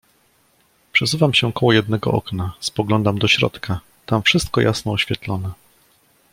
"Przesuwam się koło jednego okna; spoglądam do środka: tam wszystko jasno oświetlone."